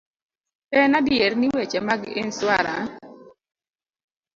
En adier ni, weche mag insuaran